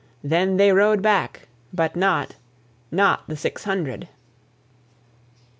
Then they rode back, but not Not the six hundred.